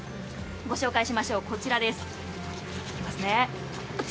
ご紹介しましょう、こちらです。